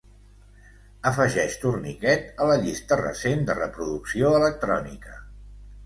Afegeix Tourniquet a la llista recent de reproducció electrònica.